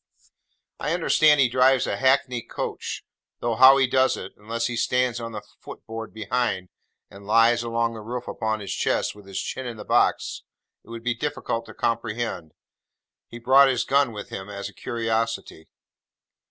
I understand he drives a hackney coach, though how he does it, unless he stands on the footboard behind, and lies along the roof upon his chest, with his chin in the box, it would be difficult to comprehend. He brought his gun with him, as a curiosity.